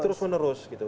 terus menerus gitu